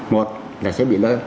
một là sẽ bị lợi